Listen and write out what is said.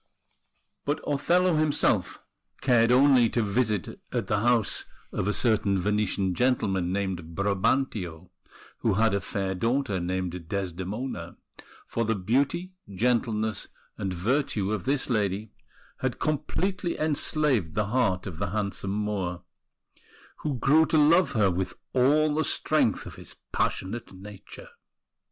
But Othello himself cared only to visit at the house of a certain Venetian gentleman named Brabantio, who had a fair daughter named Desdemona; for the beauty, gentleness, and virtue of this lady had completely enslaved the heart of the handsome Moor, who grew to love her with all the strength of his passionate nature.